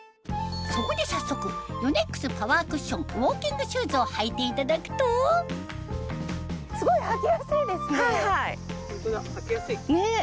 そこで早速ヨネックスパワークッションウォーキングシューズを履いていただくとその割には。